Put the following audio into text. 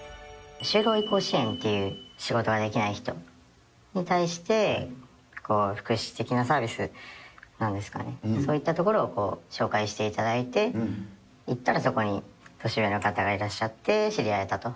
就労移行支援という、仕事ができない人に対して、福祉的なサービスなんですかね、そういったところを紹介していただいて、行ったらそこに年上の方がいらっしゃって知り合えたと。